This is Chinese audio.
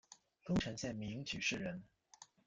宫城县名取市人。